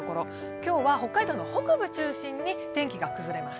今日は北海道の北部中心に天気が崩れます。